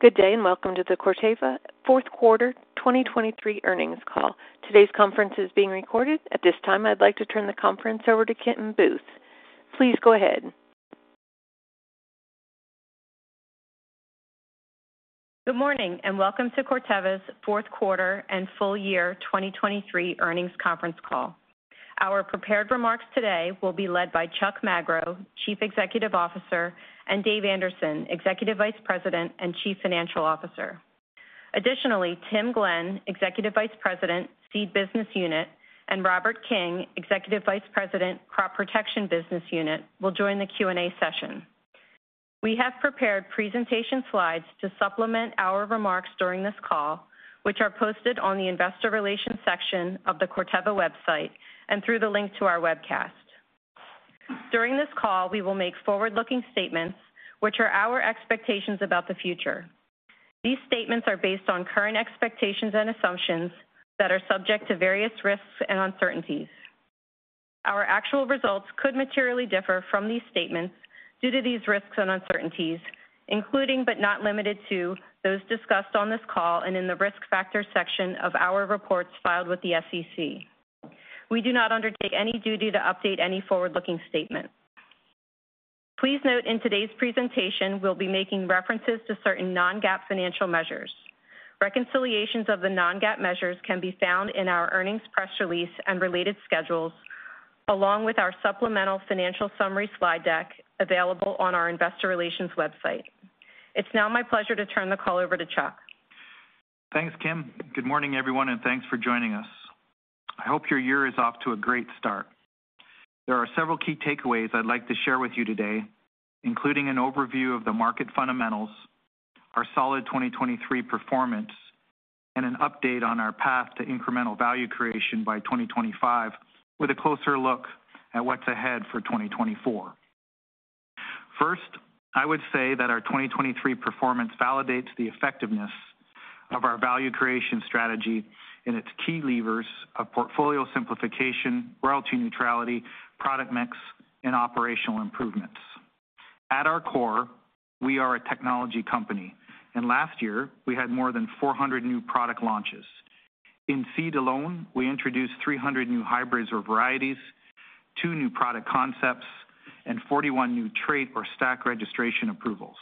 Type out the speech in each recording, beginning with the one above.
Good day, and welcome to the Corteva Fourth Quarter 2023 Earnings Call. Today's conference is being recorded. At this time, I'd like to turn the conference over to Kim Booth. Please go ahead. Good morning, and welcome to Corteva's fourth quarter and full year 2023 earnings conference call. Our prepared remarks today will be led by Chuck Magro, Chief Executive Officer, and Dave Anderson, Executive Vice President and Chief Financial Officer. Additionally, Tim Glenn, Executive Vice President, Seed Business Unit, and Robert King, Executive Vice President, Crop Protection Business Unit, will join the Q&A session. We have prepared presentation slides to supplement our remarks during this call, which are posted on the Investor Relations section of the Corteva website and through the link to our webcast. During this call, we will make forward-looking statements, which are our expectations about the future. These statements are based on current expectations and assumptions that are subject to various risks and uncertainties. Our actual results could materially differ from these statements due to these risks and uncertainties, including but not limited to, those discussed on this call and in the Risk Factors section of our reports filed with the SEC. We do not undertake any duty to update any forward-looking statement. Please note, in today's presentation, we'll be making references to certain non-GAAP financial measures. Reconciliations of the non-GAAP measures can be found in our earnings press release and related schedules, along with our supplemental financial summary slide deck, available on our Investor Relations website. It's now my pleasure to turn the call over to Chuck. Thanks, Kim. Good morning, everyone, and thanks for joining us. I hope your year is off to a great start. There are several key takeaways I'd like to share with you today, including an overview of the market fundamentals, our solid 2023 performance, and an update on our path to incremental value creation by 2025, with a closer look at what's ahead for 2024. First, I would say that our 2023 performance validates the effectiveness of our value creation strategy and its key levers of portfolio simplification, royalty neutrality, product mix, and operational improvements. At our core, we are a technology company, and last year we had more than 400 new product launches. In seed alone, we introduced 300 new hybrids or varieties, 2 new product concepts, and 41 new trait or stack registration approvals.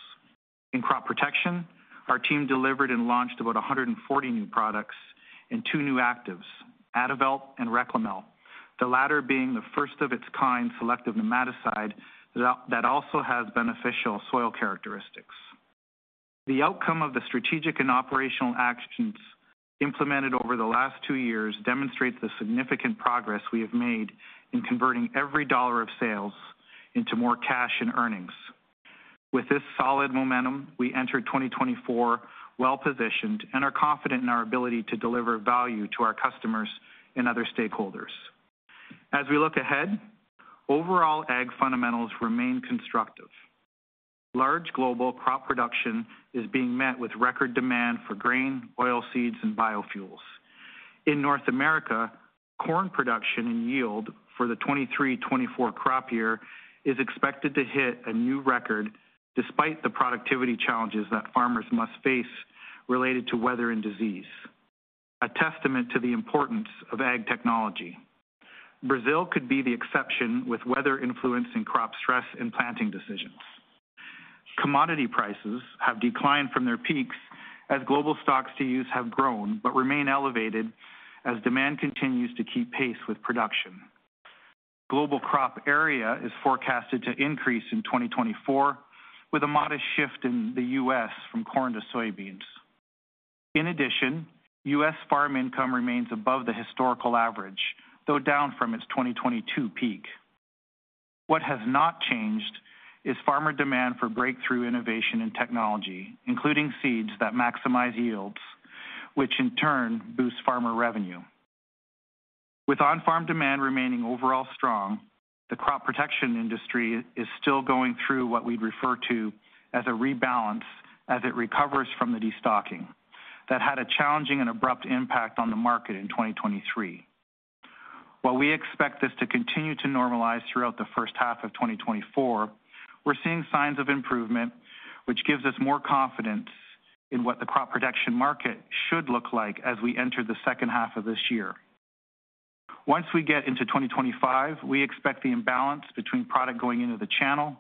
In crop protection, our team delivered and launched about 140 new products and two new actives, Adavelt and Reklemel, the latter being the first of its kind selective nematicide that also has beneficial soil characteristics. The outcome of the strategic and operational actions implemented over the last two years demonstrates the significant progress we have made in converting every dollar of sales into more cash and earnings. With this solid momentum, we entered 2024 well-positioned and are confident in our ability to deliver value to our customers and other stakeholders. As we look ahead, overall ag fundamentals remain constructive. Large global crop production is being met with record demand for grain, oilseeds, and biofuels. In North America, corn production and yield for the 2023-2024 crop year is expected to hit a new record despite the productivity challenges that farmers must face related to weather and disease, a testament to the importance of ag technology. Brazil could be the exception, with weather influencing crop stress and planting decisions. Commodity prices have declined from their peaks as global stocks-to-use have grown but remain elevated as demand continues to keep pace with production. Global crop area is forecasted to increase in 2024, with a modest shift in the U.S. from corn to soybeans. In addition, U.S. farm income remains above the historical average, though down from its 2022 peak. What has not changed is farmer demand for breakthrough innovation and technology, including seeds that maximize yields, which in turn boosts farmer revenue. With on-farm demand remaining overall strong, the crop protection industry is still going through what we'd refer to as a rebalance as it recovers from the destocking that had a challenging and abrupt impact on the market in 2023. While we expect this to continue to normalize throughout the first half of 2024, we're seeing signs of improvement, which gives us more confidence in what the crop protection market should look like as we enter the second half of this year. Once we get into 2025, we expect the imbalance between product going into the channel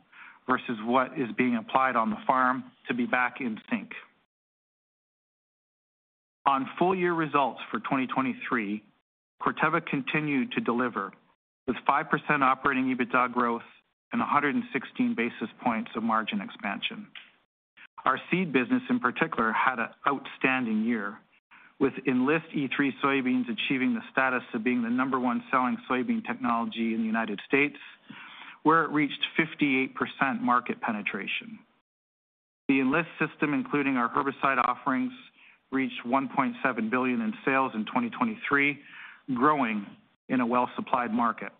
versus what is being applied on the farm to be back in sync. On full-year results for 2023, Corteva continued to deliver with 5% operating EBITDA growth and 116 basis points of margin expansion. Our seed business, in particular, had an outstanding year, with Enlist E3 soybeans achieving the status of being the number one selling soybean technology in the United States, where it reached 58% market penetration. The Enlist system, including our herbicide offerings, reached $1.7 billion in sales in 2023, growing in a well-supplied market.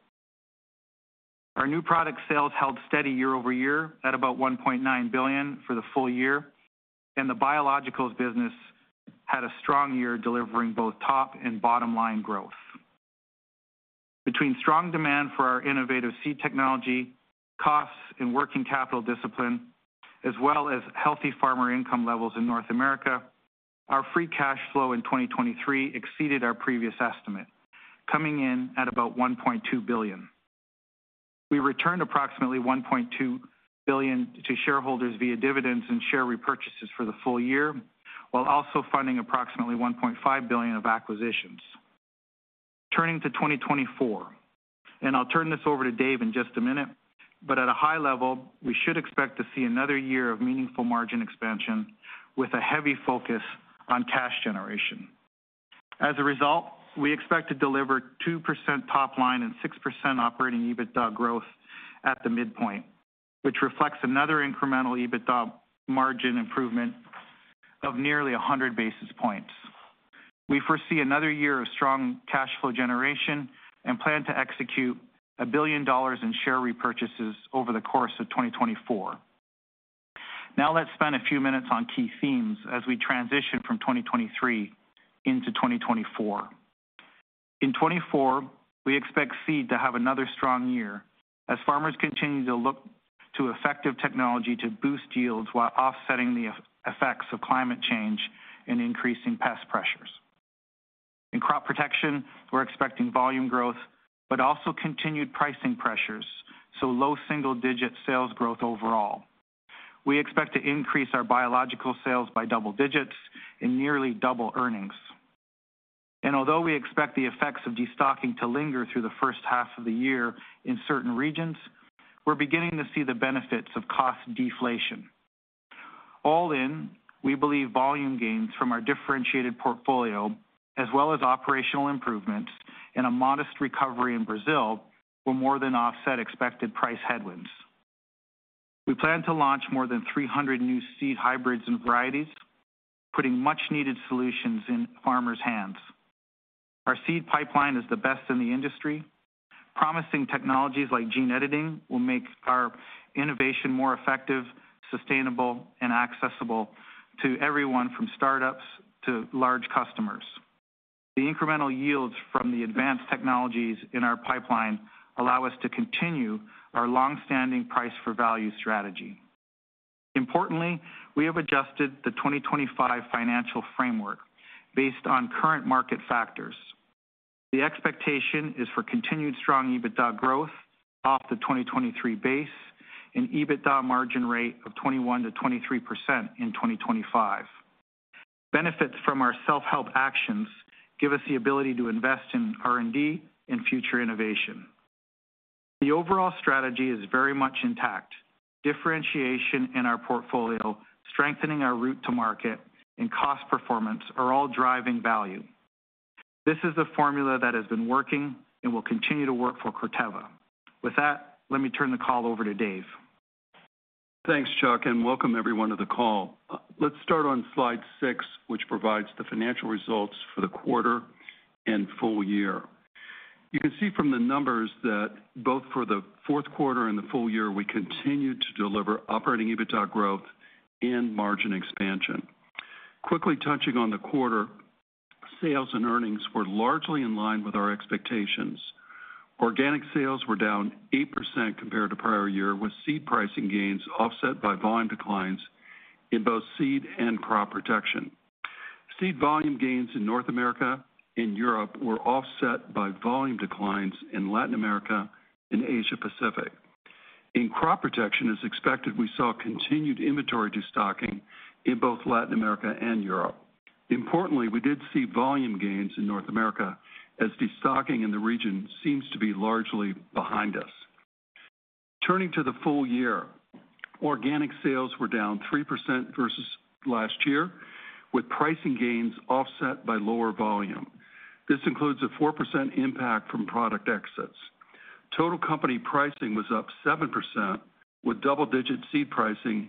Our new product sales held steady year-over-year at about $1.9 billion for the full year, and the biologicals business had a strong year, delivering both top and bottom-line growth. Between strong demand for our innovative seed technology, costs and working capital discipline, as well as healthy farmer income levels in North America, our free cash flow in 2023 exceeded our previous estimate, coming in at about $1.2 billion. We returned approximately $1.2 billion to shareholders via dividends and share repurchases for the full year, while also funding approximately $1.5 billion of acquisitions. Turning to 2024, and I'll turn this over to Dave in just a minute, but at a high level, we should expect to see another year of meaningful margin expansion with a heavy focus on cash generation. As a result, we expect to deliver 2% top line and 6% operating EBITDA growth at the midpoint, which reflects another incremental EBITDA margin improvement of nearly 100 basis points. We foresee another year of strong cash flow generation and plan to execute $1 billion in share repurchases over the course of 2024. Now let's spend a few minutes on key themes as we transition from 2023 into 2024. In 2024, we expect seed to have another strong year as farmers continue to look to effective technology to boost yields while offsetting the effects of climate change and increasing pest pressures. In crop protection, we're expecting volume growth, but also continued pricing pressures, so low single-digit sales growth overall. We expect to increase our biological sales by double digits and nearly double earnings. Although we expect the effects of destocking to linger through the first half of the year in certain regions, we're beginning to see the benefits of cost deflation. All in, we believe volume gains from our differentiated portfolio, as well as operational improvements and a modest recovery in Brazil, will more than offset expected price headwinds. We plan to launch more than 300 new seed hybrids and varieties, putting much-needed solutions in farmers' hands. Our seed pipeline is the best in the industry. Promising technologies like gene editing will make our innovation more effective, sustainable, and accessible to everyone, from startups to large customers. The incremental yields from the advanced technologies in our pipeline allow us to continue our long-standing price-for-value strategy. Importantly, we have adjusted the 2025 financial framework based on current market factors. The expectation is for continued strong EBITDA growth off the 2023 base and EBITDA margin rate of 21% to 23% in 2025. Benefits from our self-help actions give us the ability to invest in R&D and future innovation. The overall strategy is very much intact. Differentiation in our portfolio, strengthening our route to market, and cost performance are all driving value. This is a formula that has been working and will continue to work for Corteva. With that, let me turn the call over to Dave. Thanks, Chuck, and welcome everyone to the call. Let's start on Slide six, which provides the financial results for the quarter and full year. You can see from the numbers that both for the fourth quarter and the full year, we continued to deliver operating EBITDA growth and margin expansion. Quickly touching on the quarter, sales and earnings were largely in line with our expectations. Organic sales were down 8% compared to prior year, with seed pricing gains offset by volume declines in both seed and crop protection. Seed volume gains in North America and Europe were offset by volume declines in Latin America and Asia Pacific. In crop protection, as expected, we saw continued inventory destocking in both Latin America and Europe. Importantly, we did see volume gains in North America as destocking in the region seems to be largely behind us. Turning to the full year, organic sales were down 3% versus last year, with pricing gains offset by lower volume. This includes a 4% impact from product exits. Total company pricing was up 7%, with double-digit seed pricing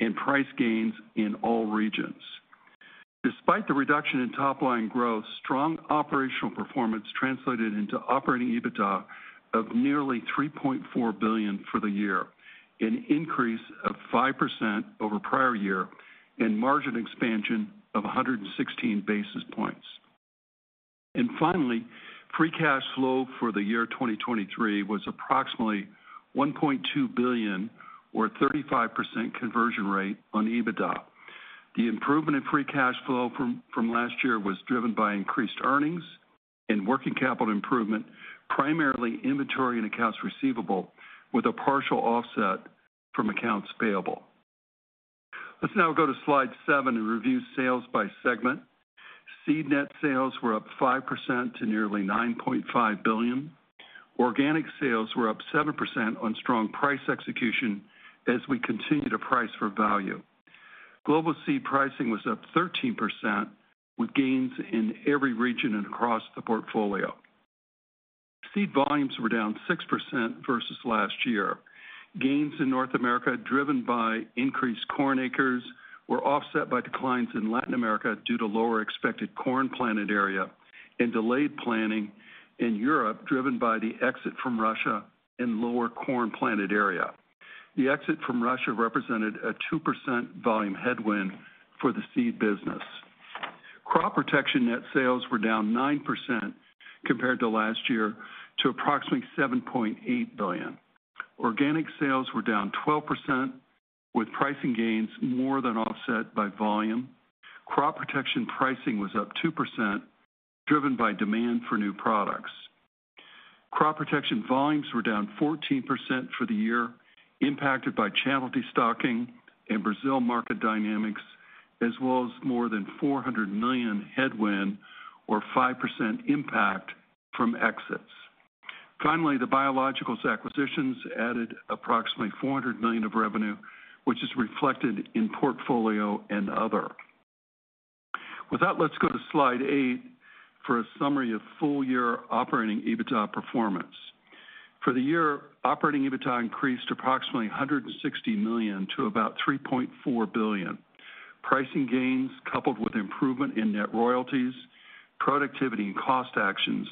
and price gains in all regions. Despite the reduction in top-line growth, strong operational performance translated into operating EBITDA of nearly $3.4 billion for the year, an increase of 5% over prior year and margin expansion of 116 basis points. And finally, free cash flow for the year 2023 was approximately $1.2 billion, or 35% conversion rate on EBITDA. The improvement in free cash flow from last year was driven by increased earnings and working capital improvement, primarily inventory and accounts receivable, with a partial offset from accounts payable. Let's now go to slide 7 and review sales by segment. Seed net sales were up 5% to nearly $9.5 billion. Organic sales were up 7% on strong price execution as we continue to price-for-value. Global seed pricing was up 13%, with gains in every region and across the portfolio. Seed volumes were down 6% versus last year. Gains in North America, driven by increased corn acres, were offset by declines in Latin America due to lower expected corn planted area and delayed planting in Europe, driven by the exit from Russia and lower corn planted area. The exit from Russia represented a 2% volume headwind for the seed business. Crop protection net sales were down 9% compared to last year, to approximately $7.8 billion. Organic sales were down 12%, with pricing gains more than offset by volume. Crop protection pricing was up 2%, driven by demand for new products. Crop protection volumes were down 14% for the year, impacted by channel destocking and Brazil market dynamics, as well as more than $400 million headwind, or 5% impact from exits. Finally, the biologicals acquisitions added approximately $400 million of revenue, which is reflected in portfolio and other. With that, let's go to slide 8 for a summary of full-year operating EBITDA performance. For the year, operating EBITDA increased approximately $160 million to about $3.4 billion. Pricing gains, coupled with improvement in net royalties, productivity and cost actions,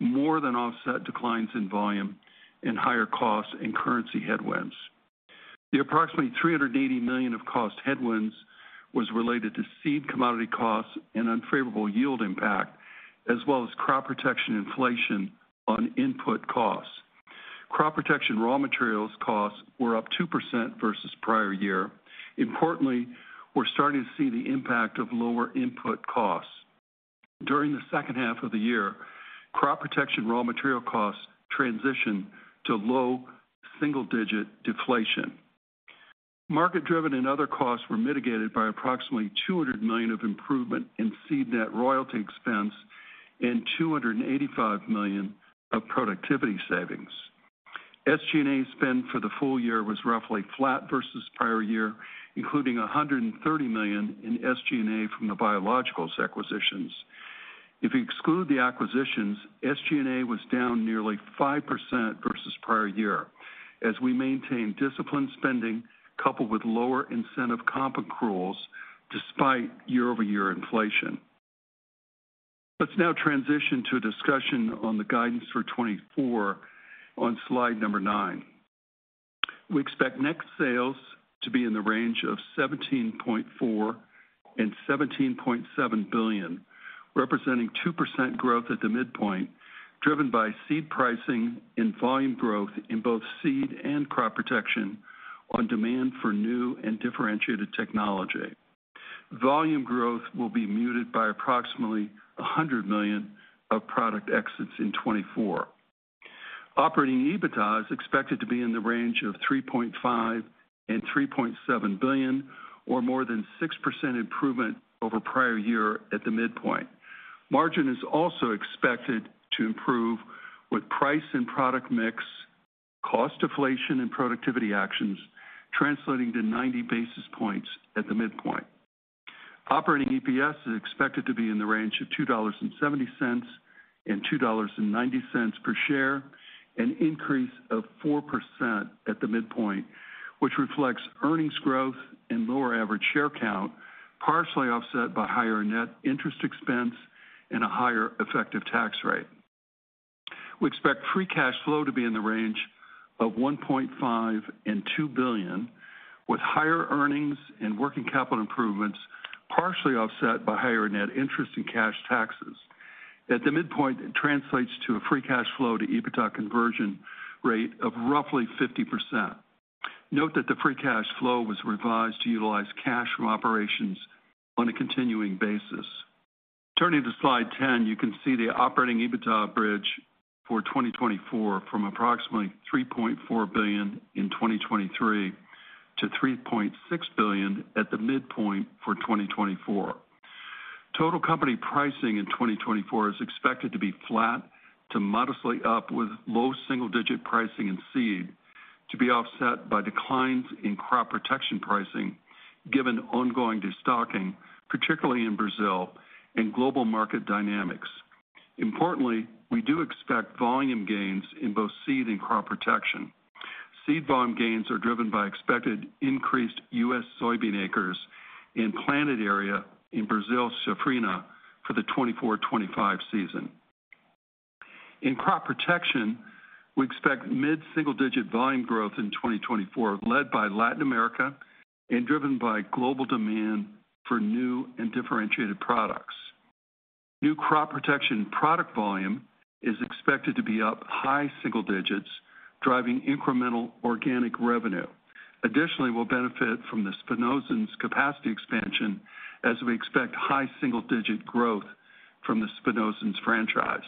more than offset declines in volume and higher costs and currency headwinds. The approximately $380 million of cost headwinds was related to seed commodity costs and unfavorable yield impact, as well as crop protection inflation on input costs. Crop protection raw materials costs were up 2% versus prior year. Importantly, we're starting to see the impact of lower input costs. During the second half of the year, crop protection raw material costs transitioned to low single-digit deflation. Market-driven and other costs were mitigated by approximately $200 million of improvement in seed net royalty expense and $285 million of productivity savings. SG&A spend for the full year was roughly flat versus prior year, including $130 million in SG&A from the biologicals acquisitions. If you exclude the acquisitions, SG&A was down nearly 5% versus prior year, as we maintained disciplined spending coupled with lower incentive comp accruals despite year-over-year inflation. Let's now transition to a discussion on the guidance for 2024 on slide 9. We expect net sales to be in the range of $17.4 billion-$17.7 billion, representing 2% growth at the midpoint, driven by seed pricing and volume growth in both seed and crop protection on demand for new and differentiated technology. Volume growth will be muted by approximately $100 million of product exits in 2024. Operating EBITDA is expected to be in the range of $3.5 billion-$3.7 billion, or more than 6% improvement over prior year at the midpoint. Margin is also expected to improve with price and product mix, cost deflation and productivity actions, translating to 90 basis points at the midpoint. Operating EPS is expected to be in the range of $2.70-$2.90 per share, an increase of 4% at the midpoint, which reflects earnings growth and lower average share count, partially offset by higher net interest expense and a higher effective tax rate. We expect free cash flow to be in the range of $1.5-$2 billion, with higher earnings and working capital improvements, partially offset by higher net interest and cash taxes. At the midpoint, it translates to a free cash flow to EBITDA conversion rate of roughly 50%. Note that the free cash flow was revised to utilize cash from operations on a continuing basis. Turning to slide 10, you can see the operating EBITDA bridge for 2024 from approximately $3.4 billion in 2023 to $3.6 billion at the midpoint for 2024. Total company pricing in 2024 is expected to be flat to modestly up, with low single-digit pricing in seed to be offset by declines in crop protection pricing, given ongoing destocking, particularly in Brazil and global market dynamics. Importantly, we do expect volume gains in both seed and crop protection. Seed volume gains are driven by expected increased U.S. soybean acres in planted area in Brazil safrinha for the 2024-2025 season. In crop protection, we expect mid-single-digit volume growth in 2024, led by Latin America and driven by global demand for new and differentiated products. New crop protection product volume is expected to be up high single digits, driving incremental organic revenue. Additionally, we'll benefit from the Spinosyns capacity expansion as we expect high single-digit growth from the Spinosyns franchise.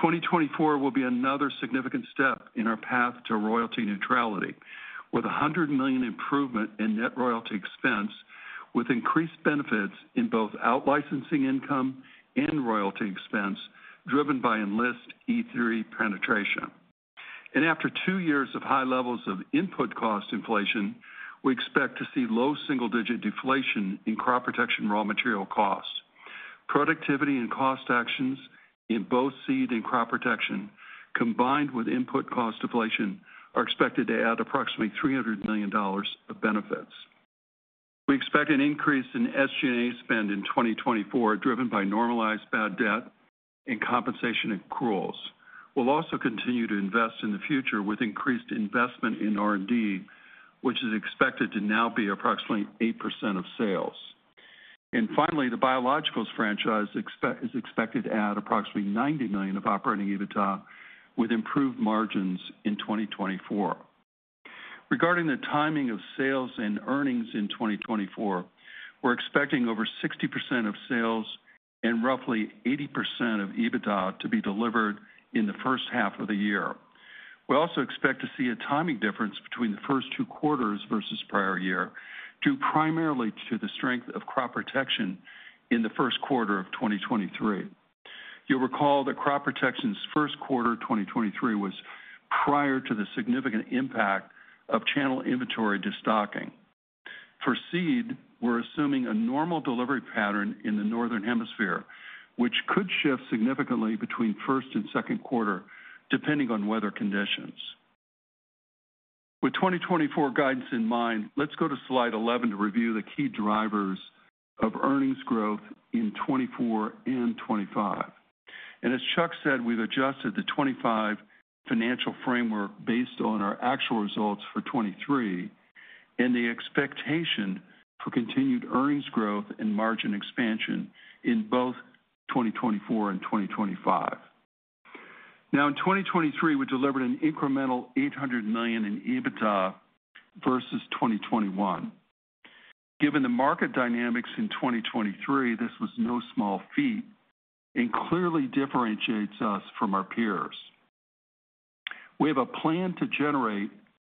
2024 will be another significant step in our path to Royalty Neutrality, with a $100 million improvement in net royalty expense, with increased benefits in both out-licensing income and royalty expense, driven by Enlist E3 penetration. After two years of high levels of input cost inflation, we expect to see low single-digit deflation in crop protection raw material costs. Productivity and cost actions in both seed and crop protection, combined with input cost deflation, are expected to add approximately $300 million of benefits. We expect an increase in SG&A spend in 2024, driven by normalized bad debt... and compensation accruals. We'll also continue to invest in the future with increased investment in R&D, which is expected to now be approximately 8% of sales. Finally, the biologicals franchise is expected to add approximately $90 million of operating EBITDA, with improved margins in 2024. Regarding the timing of sales and earnings in 2024, we're expecting over 60% of sales and roughly 80% of EBITDA to be delivered in the first half of the year. We also expect to see a timing difference between the first two quarters versus prior year, due primarily to the strength of crop protection in the first quarter of 2023. You'll recall that crop protection's first quarter 2023 was prior to the significant impact of channel inventory destocking. For seed, we're assuming a normal delivery pattern in the Northern Hemisphere, which could shift significantly between first and second quarter, depending on weather conditions. With 2024 guidance in mind, let's go to slide 11 to review the key drivers of earnings growth in 2024 and 2025. As Chuck said, we've adjusted the 2025 financial framework based on our actual results for 2023, and the expectation for continued earnings growth and margin expansion in both 2024 and 2025. Now, in 2023, we delivered an incremental $800 million in EBITDA versus 2021. Given the market dynamics in 2023, this was no small feat and clearly differentiates us from our peers. We have a plan to generate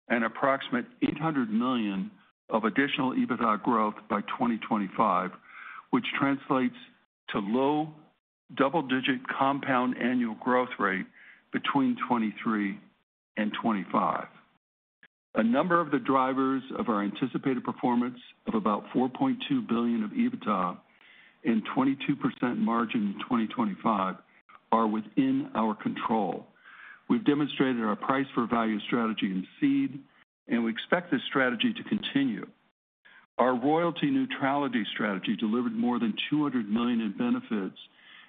an approximate $800 million of additional EBITDA growth by 2025, which translates to low double-digit compound annual growth rate between 2023 and 2025. A number of the drivers of our anticipated performance of about $4.2 billion of EBITDA and 22% margin in 2025 are within our control. We've demonstrated our price-for-value strategy in seed, and we expect this strategy to continue. Our Royalty Neutrality strategy delivered more than $200 million in benefits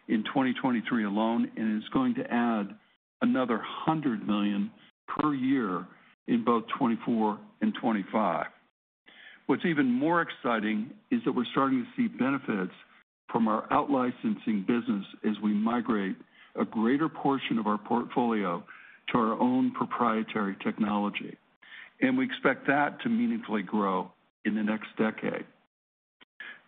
in 2023 alone and is going to add another $100 million per year in both 2024 and 2025. What's even more exciting is that we're starting to see benefits from our out-licensing business as we migrate a greater portion of our portfolio to our own proprietary technology, and we expect that to meaningfully grow in the next decade.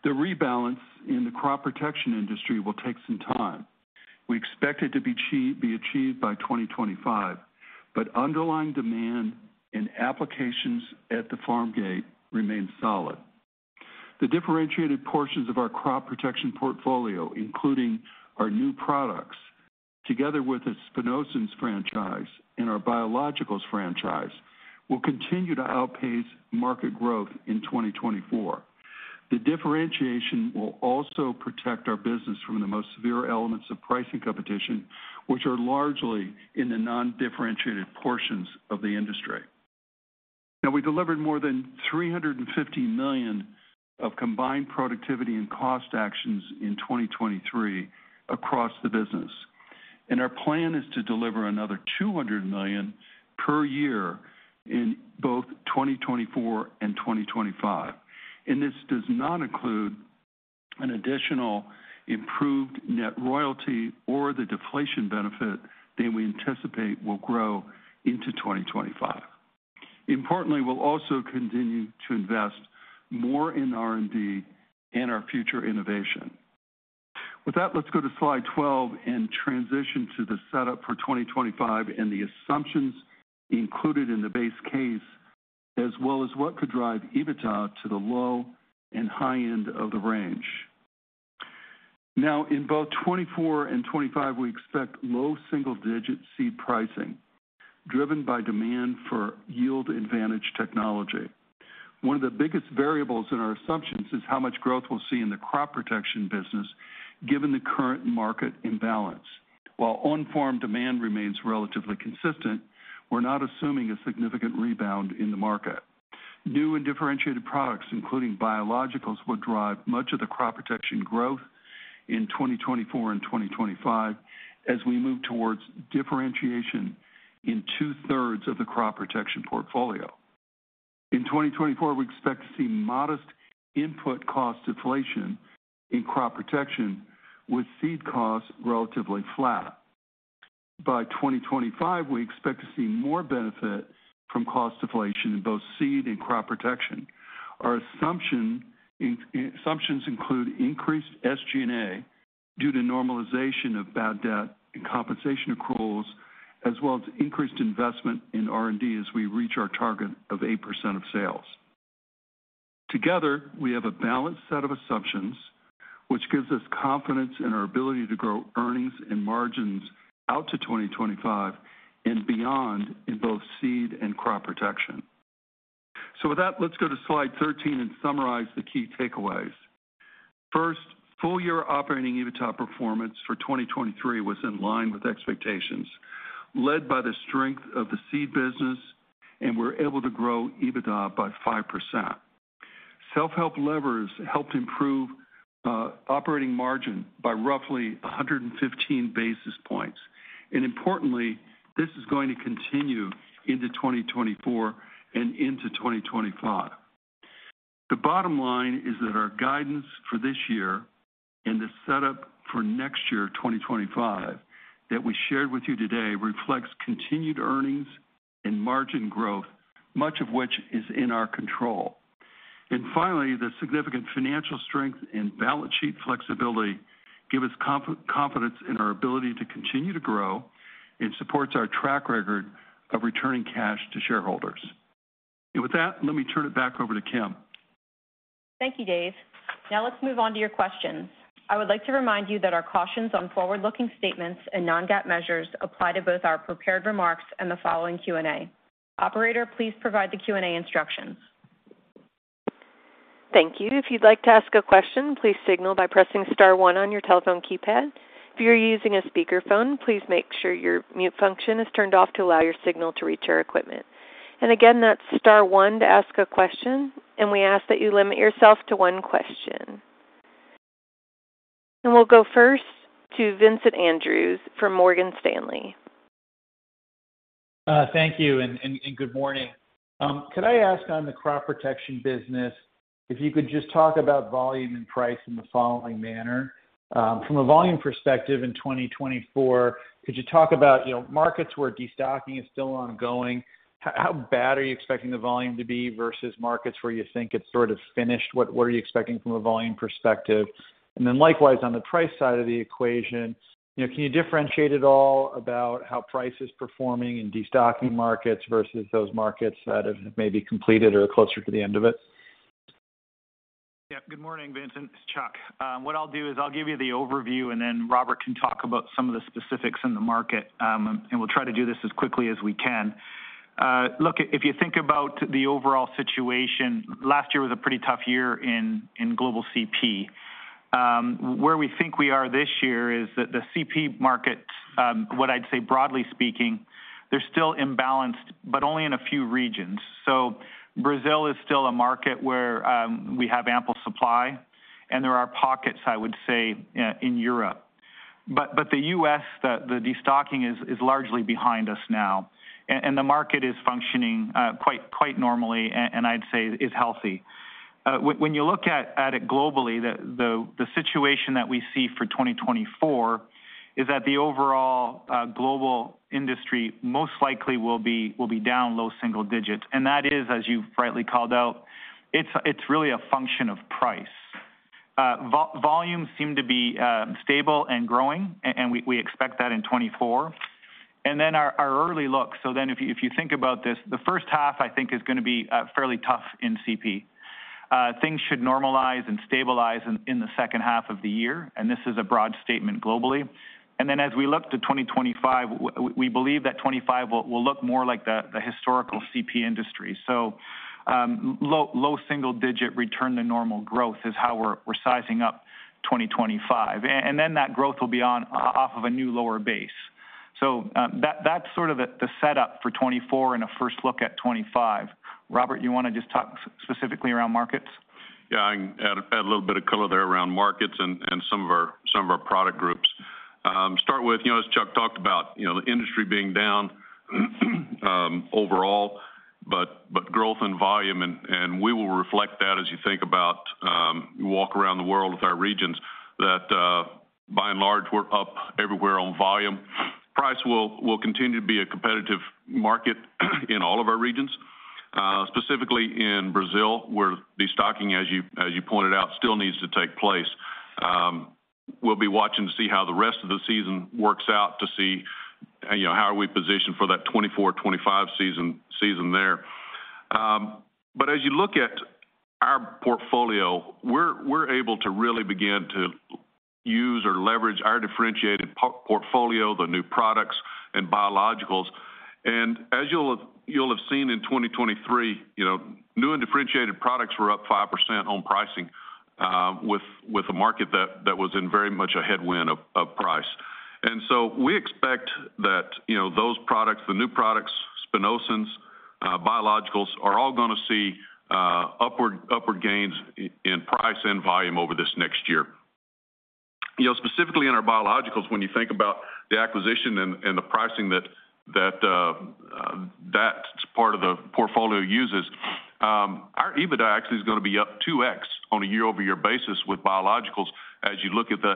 The rebalance in the crop protection industry will take some time. We expect it to be achieved by 2025, but underlying demand and applications at the farm gate remain solid. The differentiated portions of our crop protection portfolio, including our new products, together with the Spinosyns franchise and our biologicals franchise, will continue to outpace market growth in 2024. The differentiation will also protect our business from the most severe elements of pricing competition, which are largely in the non-differentiated portions of the industry. Now, we delivered more than $350 million of combined productivity and cost actions in 2023 across the business, and our plan is to deliver another $200 million per year in both 2024 and 2025. And this does not include an additional improved net royalty or the deflation benefit that we anticipate will grow into 2025. Importantly, we'll also continue to invest more in R&D and our future innovation. With that, let's go to Slide 12 and transition to the setup for 2025 and the assumptions included in the base case, as well as what could drive EBITDA to the low and high end of the range. Now, in both 2024 and 2025, we expect low single-digit seed pricing, driven by demand for yield advantage technology. One of the biggest variables in our assumptions is how much growth we'll see in the crop protection business, given the current market imbalance. While on-farm demand remains relatively consistent, we're not assuming a significant rebound in the market. New and differentiated products, including biologicals, will drive much of the crop protection growth in 2024 and 2025 as we move towards differentiation in two-thirds of the crop protection portfolio. In 2024, we expect to see modest input cost deflation in crop protection, with seed costs relatively flat. By 2025, we expect to see more benefit from cost deflation in both seed and crop protection. Our assumptions include increased SG&A due to normalization of bad debt and compensation accruals, as well as increased investment in R&D as we reach our target of 8% of sales. Together, we have a balanced set of assumptions, which gives us confidence in our ability to grow earnings and margins out to 2025 and beyond in both seed and crop protection. So with that, let's go to slide 13 and summarize the key takeaways. First, full-year operating EBITDA performance for 2023 was in line with expectations, led by the strength of the seed business, and we're able to grow EBITDA by 5%. Self-help levers helped improve operating margin by roughly 115 basis points. And importantly, this is going to continue into 2024 and into 2025. The bottom line is that our guidance for this year and the setup for next year, 2025, that we shared with you today, reflects continued earnings and margin growth, much of which is in our control. And finally, the significant financial strength and balance sheet flexibility give us confidence in our ability to continue to grow and supports our track record of returning cash to shareholders. And with that, let me turn it back over to Kim. Thank you, Dave. Now let's move on to your questions. I would like to remind you that our cautions on forward-looking statements and non-GAAP measures apply to both our prepared remarks and the following Q&A. Operator, please provide the Q&A instructions. Thank you. If you'd like to ask a question, please signal by pressing star one on your telephone keypad. If you're using a speakerphone, please make sure your mute function is turned off to allow your signal to reach our equipment. And again, that's star one to ask a question, and we ask that you limit yourself to one question. And we'll go first to Vincent Andrews from Morgan Stanley. Thank you, and good morning. Could I ask on the crop protection business, if you could just talk about volume and price in the following manner? From a volume perspective in 2024, could you talk about, you know, markets where destocking is still ongoing? How bad are you expecting the volume to be versus markets where you think it's sort of finished? What are you expecting from a volume perspective? And then likewise, on the price side of the equation, you know, can you differentiate at all about how price is performing in destocking markets versus those markets that have maybe completed or closer to the end of it? Yeah. Good morning, Vincent. It's Chuck. What I'll do is I'll give you the overview, and then Robert can talk about some of the specifics in the market, and we'll try to do this as quickly as we can. Look, if you think about the overall situation, last year was a pretty tough year in global CP. Where we are this year is that the CP market, what I'd say, broadly speaking, they're still imbalanced, but only in a few regions. So Brazil is still a market where we have ample supply, and there are pockets, I would say, in Europe. But the U.S., the destocking is largely behind us now, and the market is functioning quite normally, and I'd say is healthy. When you look at it globally, the situation that we see for 2024 is that the overall global industry most likely will be down low single digits, and that is, as you've rightly called out, it's really a function of price. Volumes seem to be stable and growing, and we expect that in 2024. And then our early look, so if you think about this, the first half, I think, is gonna be fairly tough in CP. Things should normalize and stabilize in the second half of the year, and this is a broad statement globally. And then as we look to 2025, we believe that 2025 will look more like the historical CP industry. So, low single-digit return to normal growth is how we're sizing up 2025. And then that growth will be on off of a new lower base. So, that's sort of the setup for 2024 and a first look at 2025. Robert, you wanna just talk specifically around markets? Yeah, I can add a little bit of color there around markets and some of our product groups. Start with, you know, as Chuck talked about, you know, the industry being down overall, but growth and volume, and we will reflect that as you think about walk around the world with our regions, that by and large, we're up everywhere on volume. Price will continue to be a competitive market in all of our regions, specifically in Brazil, where destocking, as you pointed out, still needs to take place. We'll be watching to see how the rest of the season works out to see, you know, how are we positioned for that 2024, 2025 season there. But as you look at our portfolio, we're able to really begin to use or leverage our differentiated portfolio, the new products and biologicals. And as you'll have seen in 2023, you know, new and differentiated products were up 5% on pricing, with a market that was in very much a headwind of price. And so we expect that, you know, those products, the new products, Spinosyns, biologicals, are all gonna see upward gains in price and volume over this next year. You know, specifically in our biologicals, when you think about the acquisition and, and the pricing that, that, that part of the portfolio uses, our EBITDA actually is gonna be up 2x on a year-over-year basis with biologicals as you look at the,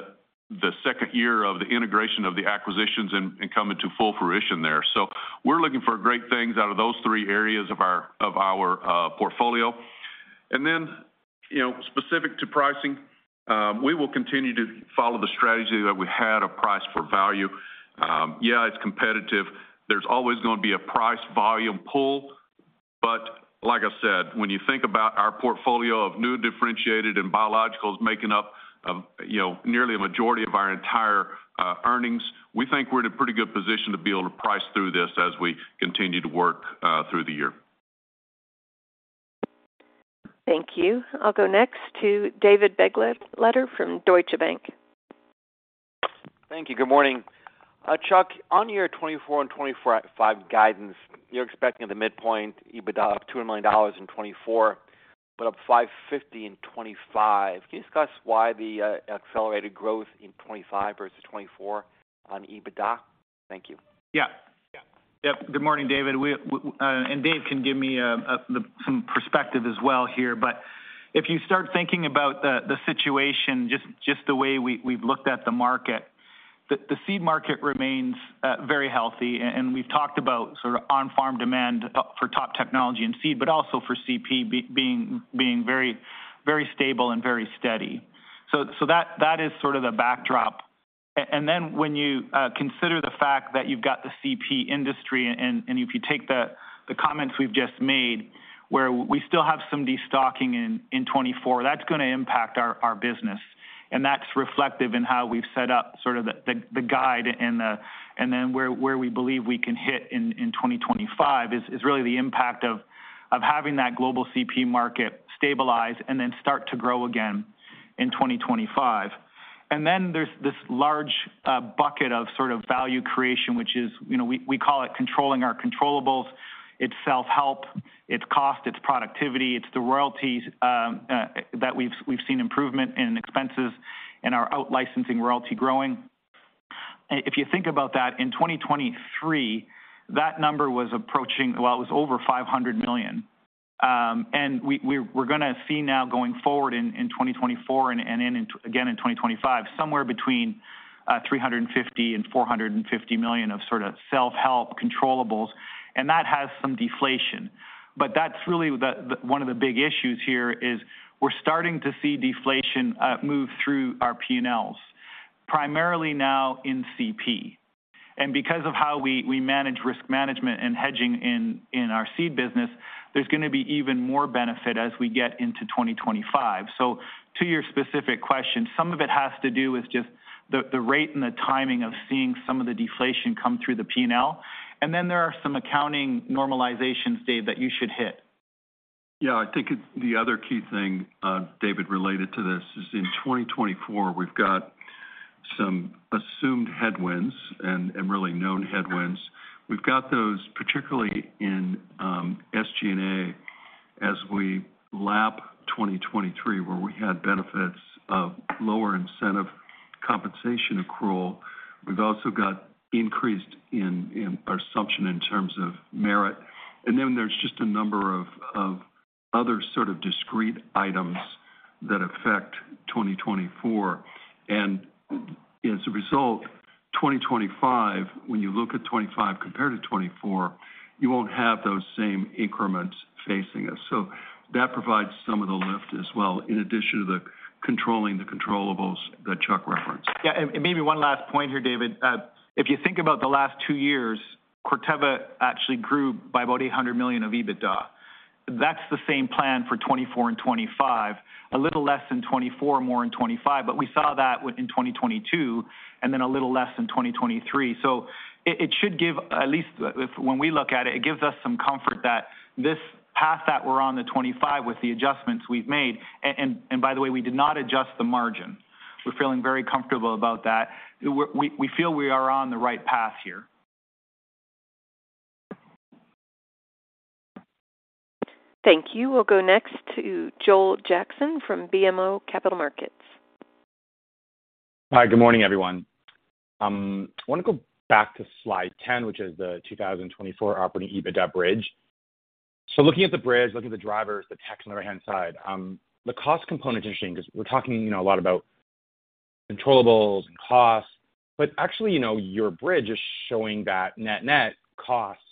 the second year of the integration of the acquisitions and, and coming to full fruition there. So we're looking for great things out of those three areas of our, of our, portfolio. And then, you know, specific to pricing, we will continue to follow the strategy that we had of price-for-value. Yeah, it's competitive. There's always gonna be a price-volume pull, but like I said, when you think about our portfolio of new, differentiated, and biologicals making up, you know, nearly a majority of our entire earnings, we think we're in a pretty good position to be able to price through this as we continue to work through the year. Thank you. I'll go next to David Begleiter from Deutsche Bank. Thank you. Good morning. Chuck, on your 2024 and 2025 guidance, you're expecting the midpoint EBITDA of $200 million in 2024, but up $550 million in 2025. Can you discuss why the accelerated growth in 2025 versus 2024 on EBITDA? Thank you. Yeah. Yeah. Yep, good morning, David. We, and Dave can give me some perspective as well here, but if you start thinking about the situation, just the way we've looked at the market, the seed market remains very healthy, and we've talked about sort of on-farm demand for top technology and seed, but also for CP being very stable and very steady. So that is sort of the backdrop. And then when you consider the fact that you've got the CP industry, and if you take the comments we've just made, where we still have some destocking in 2024, that's gonna impact our business. And that's reflective in how we've set up sort of the the guide and then where we believe we can hit in 2025 is really the impact of having that global CP market stabilize and then start to grow again in 2025. And then there's this large bucket of sort of value creation, which is, you know, we call it controlling our controllables. It's self-help, it's cost, it's productivity, it's the royalties that we've seen improvement in expenses and our out-licensing royalty growing. If you think about that, in 2023, that number was approaching. Well, it was over $500 million. And we're gonna see now going forward in 2024 and in twenty twenty-five, somewhere between $350 million-$450 million of sort of self-help controllables, and that has some deflation. But that's really the one of the big issues here, is we're starting to see deflation move through our P&Ls, primarily now in CP. And because of how we manage risk management and hedging in our seed business, there's gonna be even more benefit as we get into twenty twenty-five. So to your specific question, some of it has to do with just the rate and the timing of seeing some of the deflation come through the P&L. And then there are some accounting normalizations, Dave, that you should hit. Yeah, I think the other key thing, David, related to this is in 2024, we've got some assumed headwinds and really known headwinds. We've got those, particularly in SG&A, as we lap 2023, where we had benefits of lower incentive compensation accrual. We've also got increased in our assumption in terms of merit. And then there's just a number of other sort of discrete items that affect 2024. And as a result, 2025, when you look at 25 compared to 24, you won't have those same increments facing us. So that provides some of the lift as well, in addition to the controlling the controllables that Chuck referenced. Yeah, and, and maybe one last point here, David. If you think about the last two years, Corteva actually grew by about $800 million of EBITDA. That's the same plan for 2024 and 2025, a little less in 2024, more in 2025, but we saw that within 2022, and then a little less in 2023. So it, it should give, at least if when we look at it, it gives us some comfort that this path that we're on to 2025 with the adjustments we've made, and, and by the way, we did not adjust the margin. We're feeling very comfortable about that. We, we, we feel we are on the right path here. Thank you. We'll go next to Joel Jackson from BMO Capital Markets. Hi, good morning, everyone. I want to go back to slide 10, which is the 2024 operating EBITDA bridge. So looking at the bridge, looking at the drivers, the text on the right-hand side, the cost component is interesting because we're talking, you know, a lot about controllables and costs, but actually, you know, your bridge is showing that net-net costs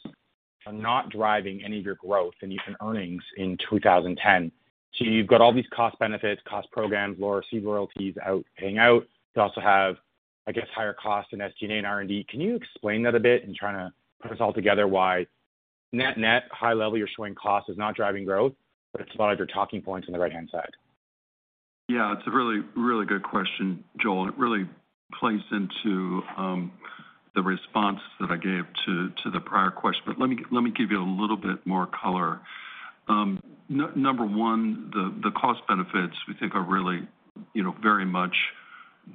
are not driving any of your growth and even earnings in 2010. So you've got all these cost benefits, cost programs, lower seed royalties out, paying out. You also have, I guess, higher costs in SG&A and R&D. Can you explain that a bit and trying to put this all together why net-net, high level, you're showing cost is not driving growth, but it's a lot of your talking points on the right-hand side? Yeah, it's a really, really good question, Joel. It really plays into the response that I gave to the prior question, but let me give you a little bit more color. Number one, the cost benefits we think are really, you know, very much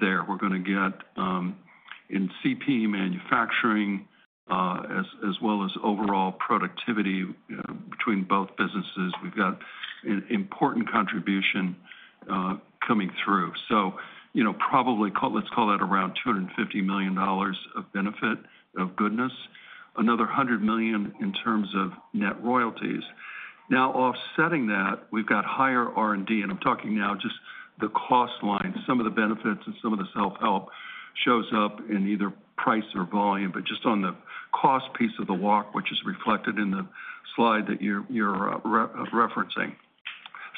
there. We're gonna get in CP manufacturing, as well as overall productivity, between both businesses. We've got an important contribution coming through. So, you know, let's call it around $250 million of benefit, of goodness, another $100 million in terms of net royalties. Now, offsetting that, we've got higher R&D, and I'm talking now just the cost line. Some of the benefits and some of the self-help shows up in either price or volume, but just on the cost piece of the walk, which is reflected in the slide that you're referencing.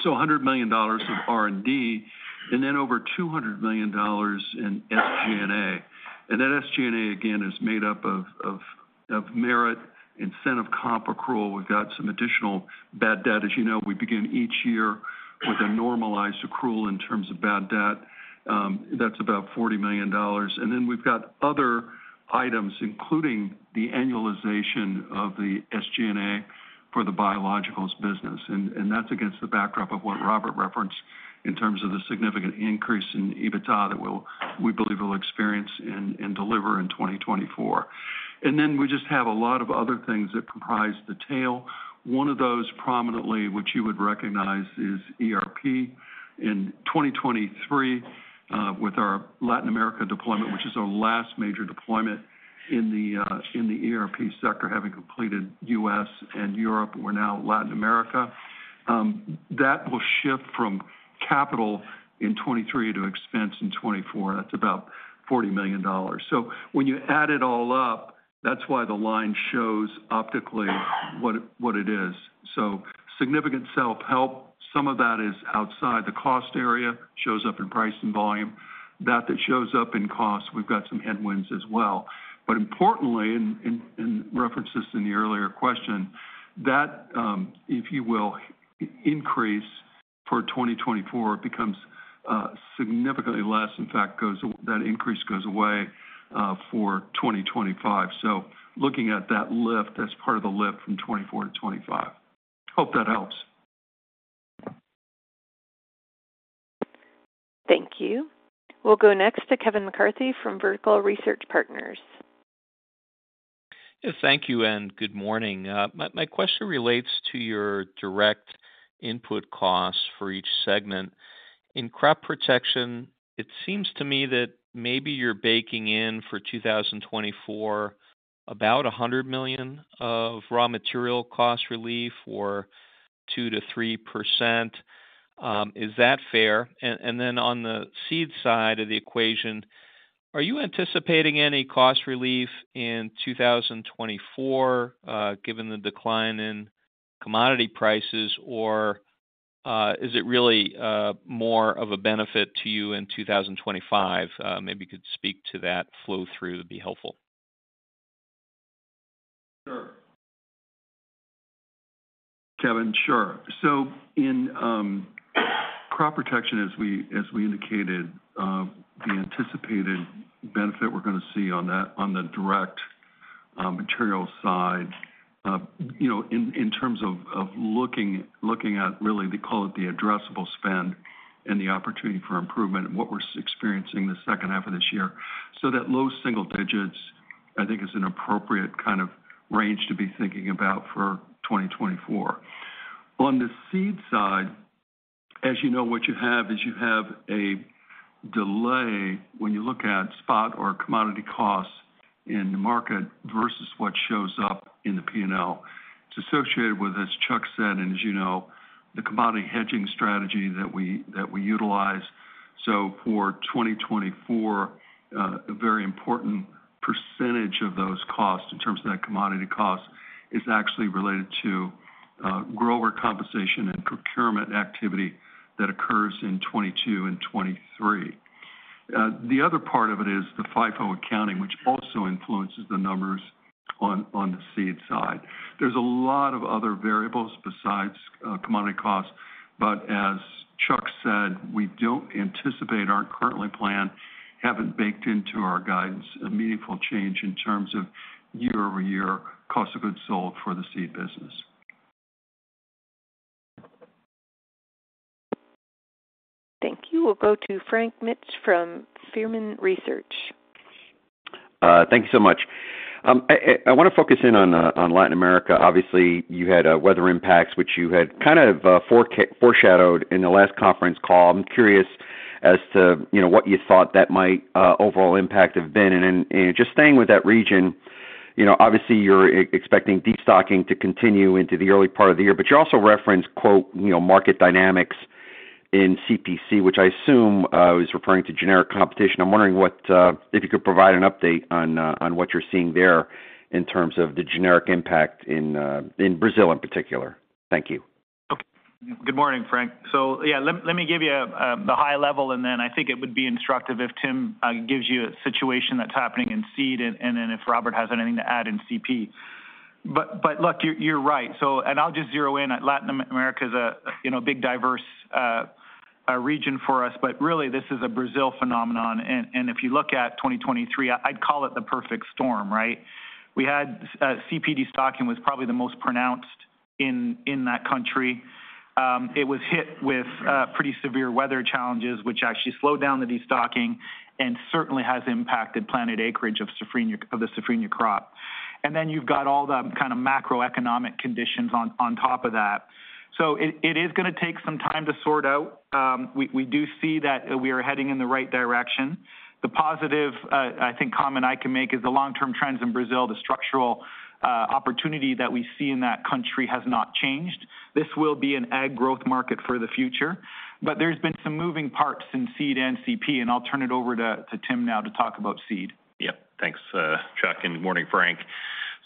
So $100 million of R&D, and then over $200 million in SG&A. And that SG&A, again, is made up of merit, incentive, comp accrual. We've got some additional bad debt. As you know, we begin each year with a normalized accrual in terms of bad debt. That's about $40 million. And then we've got other items, including the annualization of the SG&A for the biologicals business. And that's against the backdrop of what Robert referenced in terms of the significant increase in EBITDA that we believe we'll experience and deliver in 2024. And then we just have a lot of other things that comprise the tail. One of those, prominently, which you would recognize, is ERP. In 2023, with our Latin America deployment, which is our last major deployment in the ERP sector, having completed U.S. and Europe, we're now Latin America. That will shift from capital in 2023 to expense in 2024, and that's about $40 million. So when you add it all up, that's why the line shows optically what it is. So significant self-help, some of that is outside the cost area, shows up in price and volume. That shows up in cost, we've got some headwinds as well. But importantly, and reference this in the earlier question, that, if you will, increase for 2024 becomes significantly less. In fact, that increase goes away for 2025. So looking at that lift, that's part of the lift from 2024 to 2025. Hope that helps. Thank you. We'll go next to Kevin McCarthy from Vertical Research Partners. Thank you, and good morning. My, my question relates to your direct input costs for each segment. In crop protection, it seems to me that maybe you're baking in, for 2024, about $100 million of raw material cost relief or 2%-3%. Is that fair? And, and then on the seed side of the equation, are you anticipating any cost relief in 2024, given the decline in commodity prices, or, is it really, more of a benefit to you in 2025? Maybe you could speak to that flow-through would be helpful. Sure. Kevin, sure. So in crop protection, as we indicated, the anticipated benefit we're gonna see on that, on the direct material side, you know, in terms of looking at really, we call it the addressable spend and the opportunity for improvement and what we're experiencing in the second half of this year. So that low single digits, I think, is an appropriate kind of range to be thinking about for 2024. On the seed side, as you know, what you have is you have a delay when you look at spot or commodity costs in the market versus what shows up in the P&L. It's associated with, as Chuck said, and as you know, the commodity hedging strategy that we utilize. For 2024, a very important percentage of those costs, in terms of that commodity cost, is actually related to grower compensation and procurement activity that occurs in 2022 and 2023. The other part of it is the FIFO accounting, which also influences the numbers on the seed side. There's a lot of other variables besides commodity costs, but as Chuck said, we don't anticipate our current plan having baked into our guidance a meaningful change in terms of year-over-year cost of goods sold for the seed business. Thank you. We'll go to Frank Mitsch from Fermium Research. Thank you so much. I wanna focus in on Latin America. Obviously, you had weather impacts, which you had kind of foreshadowed in the last conference call. I'm curious as to, you know, what you thought that might overall impact have been. Then, just staying with that region, you know, obviously, you're expecting destocking to continue into the early part of the year, but you also referenced, quote, you know, "market dynamics" in CPC, which I assume is referring to generic competition. I'm wondering what, if you could provide an update on what you're seeing there in terms of the generic impact in Brazil in particular. Thank you. Okay. Good morning, Frank. So, yeah, let, let me give you the high level, and then I think it would be instructive if Tim gives you a situation that's happening in seed, and then, and then if Robert has anything to add in CP. But, but look, you're, you're right. So... And I'll just zero in on Latin America as a, you know, big, diverse region for us, but really, this is a Brazil phenomenon. And, and if you look at 2023, I'd call it the perfect storm, right? We had CP destocking was probably the most pronounced in, in that country. It was hit with pretty severe weather challenges, which actually slowed down the destocking and certainly has impacted planted acreage of safrinha, of the safrinha crop. Then you've got all the kind of macroeconomic conditions on top of that. So it is gonna take some time to sort out. We do see that we are heading in the right direction. The positive, I think, comment I can make is the long-term trends in Brazil, the structural opportunity that we see in that country has not changed. This will be an ag growth market for the future, but there's been some moving parts in seed NCP, and I'll turn it over to Tim now to talk about seed. Yep. Thanks, Chuck, and morning, Frank.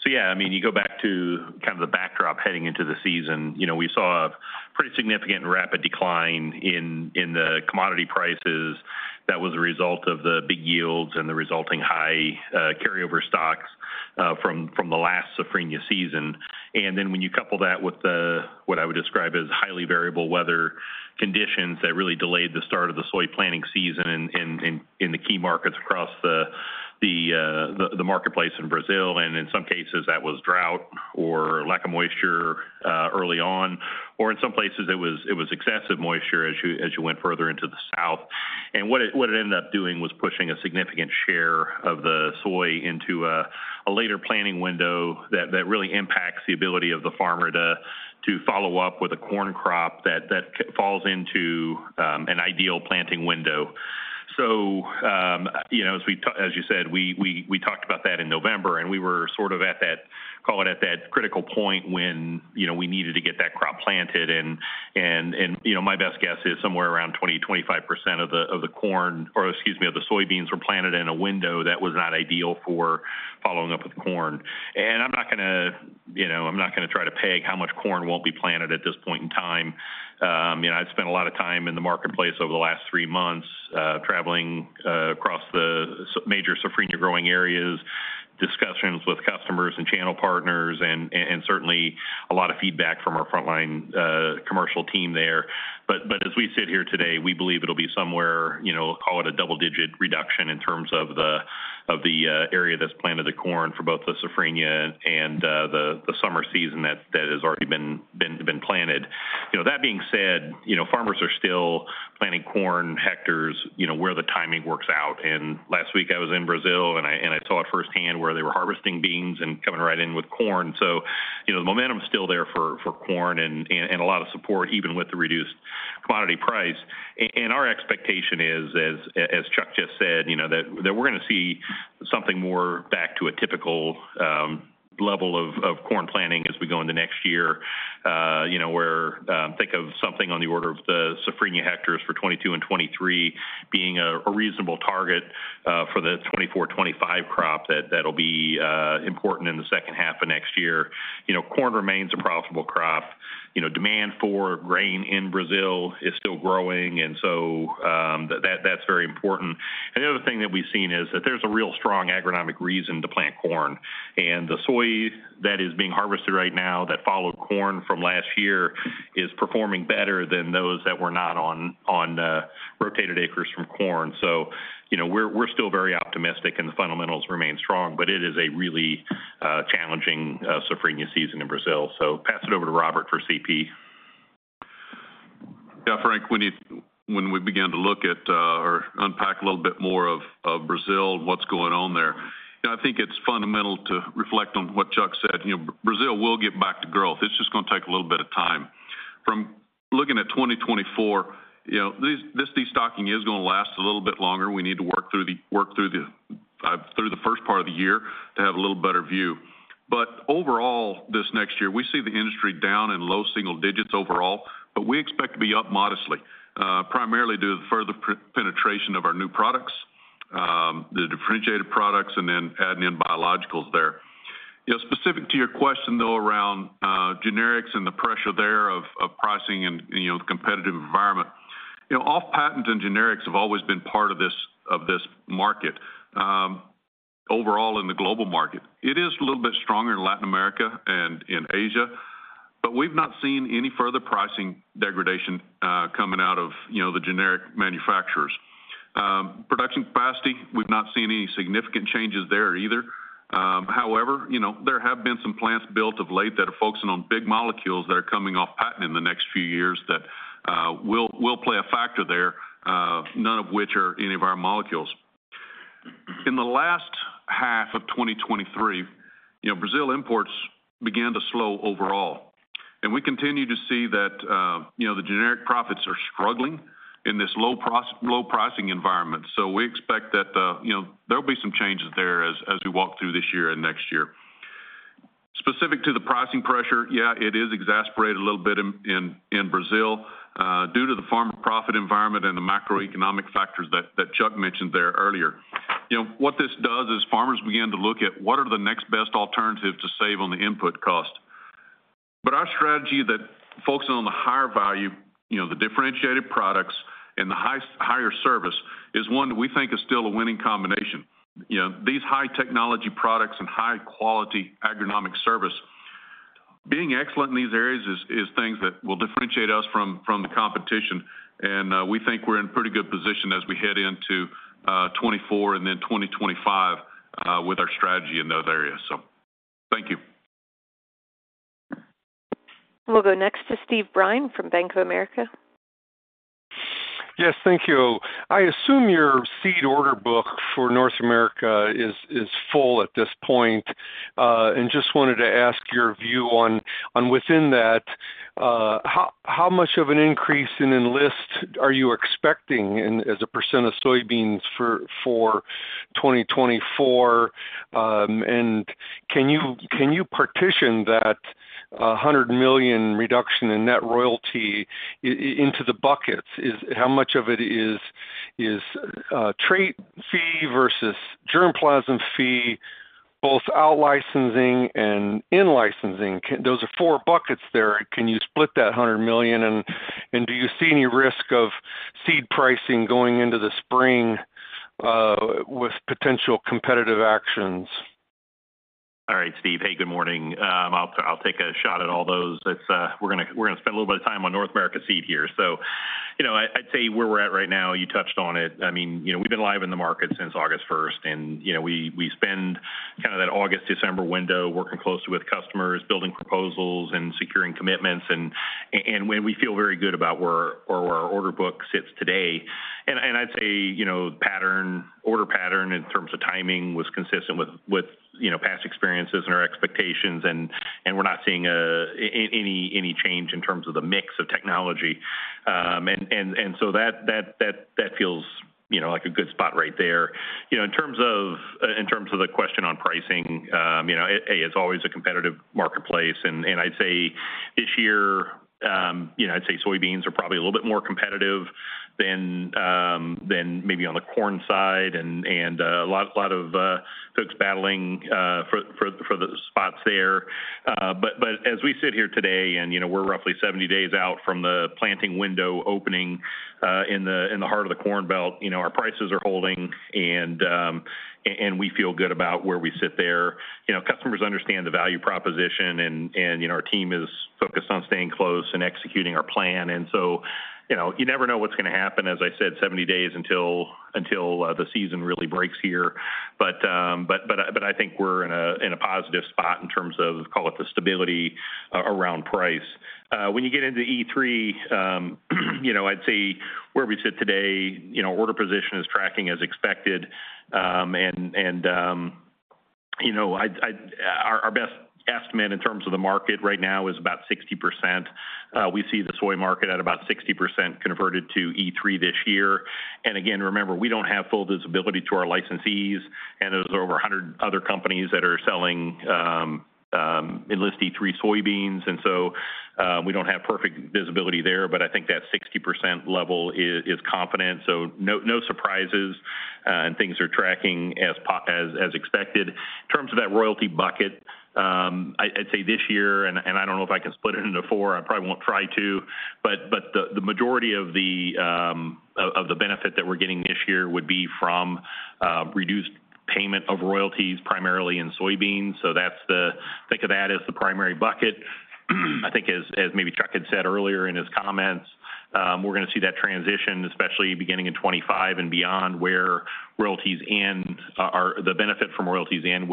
So yeah, I mean, you go back to kind of the backdrop heading into the season. You know, we saw a pretty significant and rapid decline in the commodity prices that was a result of the big yields and the resulting high carryover stocks from the last safrinha season. And then when you couple that with the what I would describe as highly variable weather conditions that really delayed the start of the soy planting season in the key markets across the marketplace in Brazil, and in some cases, that was drought or lack of moisture early on, or in some places it was excessive moisture as you went further into the south. What it ended up doing was pushing a significant share of the soy into a later planting window that really impacts the ability of the farmer to follow up with a corn crop that falls into an ideal planting window. So, you know, as you said, we talked about that in November, and we were sort of at that critical point when, you know, we needed to get that crop planted. And, you know, my best guess is somewhere around 20%-25% of the soybeans were planted in a window that was not ideal for following up with corn. I'm not gonna, you know, I'm not gonna try to peg how much corn won't be planted at this point in time. You know, I've spent a lot of time in the marketplace over the last three months, traveling across the major safrinha growing areas, discussions with customers and channel partners, and certainly a lot of feedback from our frontline commercial team there. But as we sit here today, we believe it'll be somewhere, you know, call it a double-digit reduction in terms of the area that's planted the corn for both the safrinha and the summer season that has already been planted. You know, that being said, you know, farmers are still planting corn hectares, you know, where the timing works out. Last week I was in Brazil, and I saw it firsthand where they were harvesting beans and coming right in with corn. So, you know, the momentum is still there for corn and a lot of support, even with the reduced commodity price. And our expectation is, as Chuck just said, you know, that we're gonna see something more back to a typical level of corn planting as we go into next year, you know, where think of something on the order of the safrinha hectares for 2022 and 2023 being a reasonable target for the 2024-2025 crop. That'll be important in the second half of next year. You know, corn remains a profitable crop. You know, demand for grain in Brazil is still growing, and so that's very important. The other thing that we've seen is that there's a real strong agronomic reason to plant corn. The soy that is being harvested right now, that followed corn from last year, is performing better than those that were not on rotated acres from corn. You know, we're still very optimistic and the fundamentals remain strong, but it is a really challenging safrinha season in Brazil. Pass it over to Robert for CP. Yeah, Frank, when we began to look at or unpack a little bit more of Brazil and what's going on there, you know, I think it's fundamental to reflect on what Chuck said. You know, Brazil will get back to growth. It's just gonna take a little bit of time. From looking at 2024, you know, this destocking is gonna last a little bit longer. We need to work through the first part of the year to have a little better view. But overall, this next year, we see the industry down in low single digits overall, but we expect to be up modestly, primarily due to the further penetration of our new products, the differentiated products, and then adding in biologicals there. You know, specific to your question, though, around generics and the pressure there of pricing and, you know, the competitive environment. You know, off patent and generics have always been part of this market. Overall, in the global market, it is a little bit stronger in Latin America and in Asia, but we've not seen any further pricing degradation coming out of, you know, the generic manufacturers. Production capacity, we've not seen any significant changes there either. However, you know, there have been some plants built of late that are focusing on big molecules that are coming off patent in the next few years that will play a factor there, none of which are any of our molecules. In the last half of 2023, you know, Brazil imports began to slow overall, and we continue to see that, you know, the generic profits are struggling in this low pricing environment. So we expect that, you know, there'll be some changes there as we walk through this year and next year. Specific to the pricing pressure, yeah, it is exacerbated a little bit in Brazil due to the farmer profit environment and the macroeconomic factors that Chuck mentioned there earlier. You know, what this does is farmers begin to look at what are the next best alternative to save on the input cost. But our strategy that focusing on the higher value, you know, the differentiated products and the higher service, is one that we think is still a winning combination. You know, these high technology products and high quality agronomic service, being excellent in these areas is things that will differentiate us from the competition, and we think we're in pretty good position as we head into 2024 and then 2025 with our strategy in those areas. So thank you. We'll go next to Steve Byrne from Bank of America. Yes, thank you. I assume your seed order book for North America is full at this point. And just wanted to ask your view on, on within that, how much of an increase in Enlist are you expecting in—as a % of soybeans for 2024? And can you partition that $100 million reduction in net royalty into the buckets? How much of it is trait fee versus germplasm fee, both out-licensing and in-licensing? Those are four buckets there. Can you split that $100 million? And do you see any risk of seed pricing going into the spring with potential competitive actions? All right, Steve. Hey, good morning. I'll take a shot at all those. It's, we're gonna spend a little bit of time on North America Seed here. So, you know, I'd say where we're at right now, you touched on it. I mean, you know, we've been live in the market since August first, and, you know, we spend kind of that August-December window working closely with customers, building proposals, and securing commitments. And when we feel very good about where our order book sits today. And I'd say, you know, pattern, order pattern in terms of timing was consistent with you know, past experiences and our expectations, and we're not seeing any change in terms of the mix of technology. So that feels, you know, like a good spot right there. You know, in terms of the question on pricing, you know, it's always a competitive marketplace. And I'd say this year, you know, I'd say soybeans are probably a little bit more competitive than maybe on the corn side, and a lot of folks battling for the spots there. But as we sit here today and, you know, we're roughly 70 days out from the planting window opening in the heart of the Corn Belt, you know, our prices are holding and we feel good about where we sit there. You know, customers understand the value proposition and you know, our team is focused on staying close and executing our plan. And so, you know, you never know what's gonna happen, as I said, 70 days until the season really breaks here. But I think we're in a positive spot in terms of, call it, the stability around price. When you get into E3, you know, I'd say where we sit today, you know, order position is tracking as expected. You know, our best estimate in terms of the market right now is about 60%. We see the soy market at about 60% converted to E3 this year. Again, remember, we don't have full visibility to our licensees, and there's over 100 other companies that are selling Enlist E3 soybeans, and so we don't have perfect visibility there, but I think that 60% level is confident. So no surprises, and things are tracking as expected. In terms of that royalty bucket, I'd say this year, and I don't know if I can split it into four, I probably won't try to, but the majority of the benefit that we're getting this year would be from reduced payment of royalties, primarily in soybeans. So that's the think of that as the primary bucket. I think as maybe Chuck had said earlier in his comments, we're gonna see that transition, especially beginning in 2025 and beyond, where royalties in are the benefit from royalties in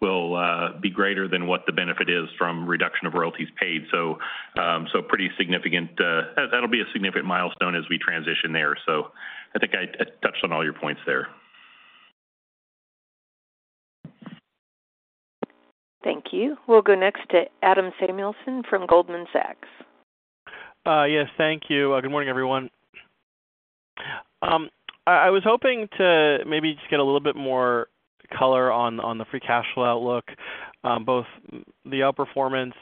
will be greater than what the benefit is from reduction of royalties paid. So, so pretty significant, that'll be a significant milestone as we transition there. So I think I touched on all your points there. Thank you. We'll go next to Adam Samuelson from Goldman Sachs. Yes, thank you. Good morning, everyone. I was hoping to maybe just get a little bit more color on the Free Cash Flow outlook, both the outperformance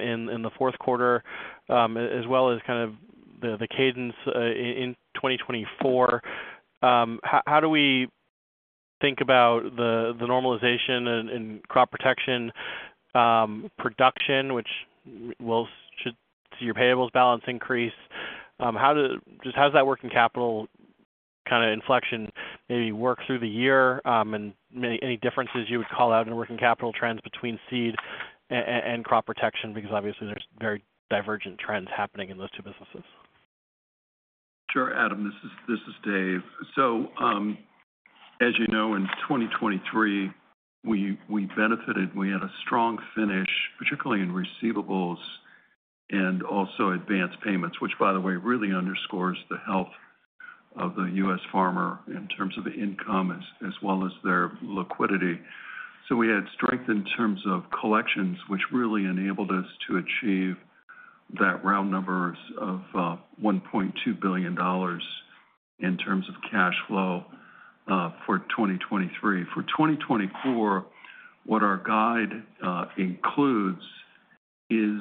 in the fourth quarter, as well as kind of the cadence in 2024. How do we think about the normalization in Crop Protection production, which should see your payables balance increase? Just how does that working capital kind of inflection maybe work through the year, and any differences you would call out in working capital trends between Seed and Crop Protection? Because obviously, there's very divergent trends happening in those two businesses. Sure, Adam. This is, this is Dave. So, as you know, in 2023, we, we benefited. We had a strong finish, particularly in receivables and also advanced payments, which, by the way, really underscores the health of the U.S. farmer in terms of income, as, as well as their liquidity. So we had strength in terms of collections, which really enabled us to achieve that round number of $1.2 billion in terms of cash flow for 2023. For 2024, what our guide includes is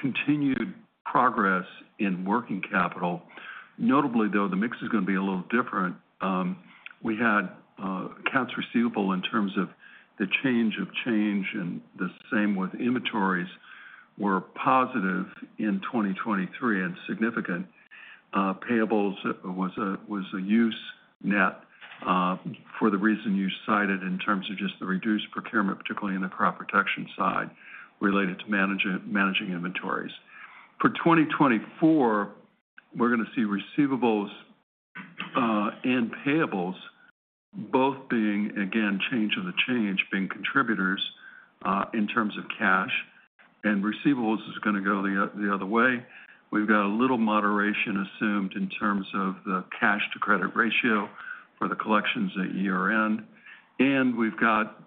continued progress in working capital. Notably, though, the mix is gonna be a little different. We had accounts receivable in terms of the change, and the same with inventories, were positive in 2023 and significant. Payables was a use net for the reason you cited in terms of just the reduced procurement, particularly in the crop protection side, related to managing inventories. For 2024, we're gonna see receivables and payables both being, again, change of the change, being contributors in terms of cash, and receivables is gonna go the other way. We've got a little moderation assumed in terms of the cash to credit ratio for the collections at year-end. And we've got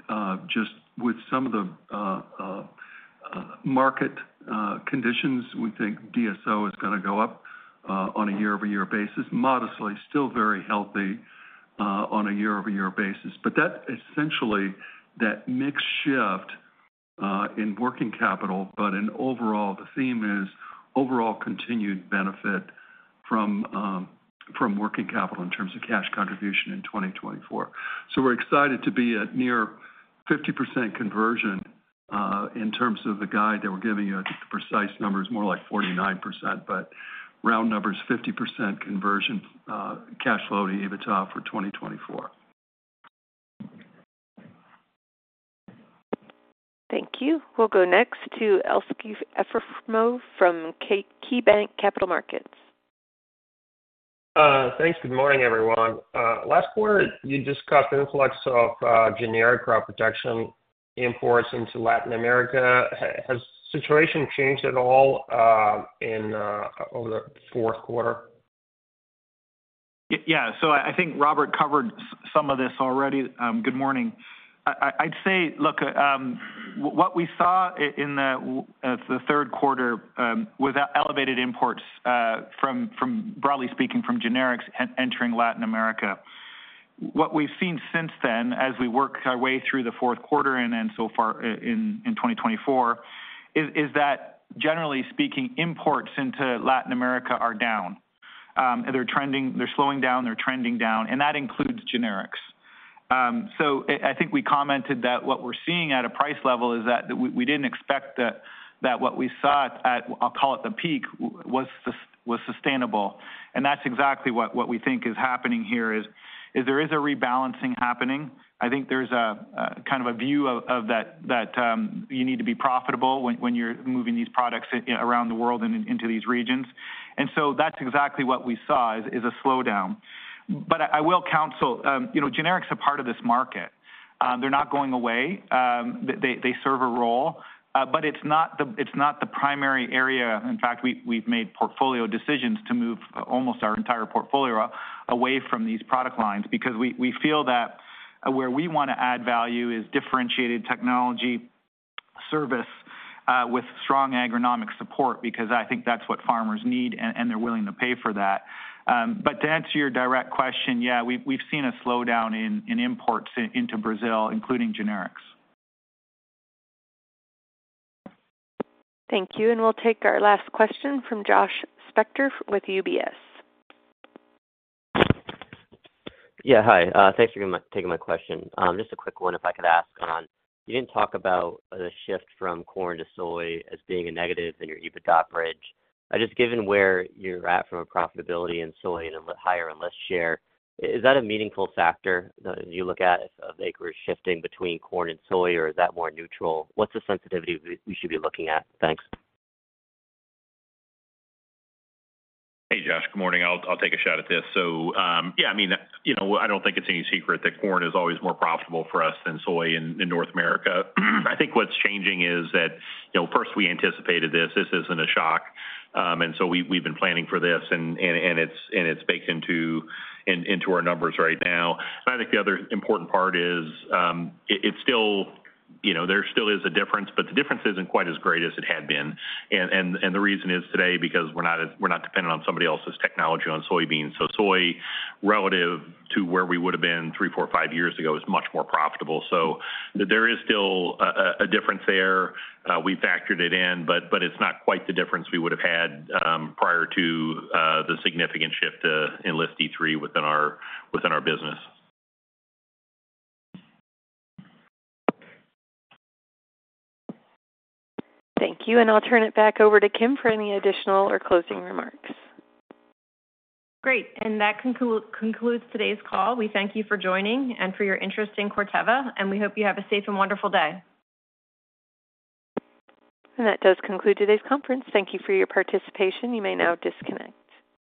just with some of the market conditions, we think DSO is gonna go up on a year-over-year basis. Modestly, still very healthy on a year-over-year basis. But that essentially, that mix shift, in working capital, but in overall, the theme is overall continued benefit from, from working capital in terms of cash contribution in 2024. So we're excited to be at near 50% conversion, in terms of the guide that we're giving you, I think the precise number is more like 49%, but round number is 50% conversion, cash flow to EBITDA for 2024. Thank you. We'll go next to Aleksey Yefremov from KeyBanc Capital Markets. Thanks. Good morning, everyone. Last quarter, you discussed the influx of generic crop protection imports into Latin America. Has the situation changed at all in over the fourth quarter? Yeah. So I think Robert covered some of this already. Good morning. I'd say, look, what we saw in the third quarter was elevated imports from, broadly speaking, from generics entering Latin America. What we've seen since then, as we work our way through the fourth quarter and so far in 2024, is that, generally speaking, imports into Latin America are down. They're trending, they're slowing down, they're trending down, and that includes generics. So I think we commented that what we're seeing at a price level is that we didn't expect that what we saw at, I'll call it the peak, was sustainable. And that's exactly what we think is happening here, is there is a rebalancing happening. I think there's a kind of a view that you need to be profitable when you're moving these products around the world and into these regions. And so that's exactly what we saw, is a slowdown. But I will counsel, you know, generics are part of this market. They're not going away. They serve a role, but it's not the primary area. In fact, we've made portfolio decisions to move almost our entire portfolio away from these product lines because we feel that where we want to add value is differentiated technology service with strong agronomic support, because I think that's what farmers need, and they're willing to pay for that. But to answer your direct question, yeah, we've seen a slowdown in imports into Brazil, including generics. Thank you. And we'll take our last question from Josh Spector with UBS. Yeah, hi. Thanks for taking my question. Just a quick one, if I could ask on. You didn't talk about the shift from corn to soy as being a negative in your EBITDA bridge. Just given where you're at from a profitability in soy and a higher Enlist share, is that a meaningful factor that you look at of acres shifting between corn and soy, or is that more neutral? What's the sensitivity we should be looking at? Thanks. Hey, Josh. Good morning. I'll take a shot at this. So, yeah, I mean, you know, I don't think it's any secret that corn is always more profitable for us than soy in North America. I think what's changing is that, you know, first we anticipated this. This isn't a shock. And so we, we've been planning for this, and it's baked into our numbers right now. I think the other important part is, it's still, you know, there still is a difference, but the difference isn't quite as great as it had been. And the reason is today, because we're not dependent on somebody else's technology on soybeans. So soy, relative to where we would have been three, four, five years ago, is much more profitable. So there is still a difference there. We factored it in, but it's not quite the difference we would have had, prior to the significant shift in Enlist E3 within our business. Thank you. I'll turn it back over to Kim for any additional or closing remarks. Great. That concludes today's call. We thank you for joining and for your interest in Corteva, and we hope you have a safe and wonderful day. That does conclude today's conference. Thank you for your participation. You may now disconnect.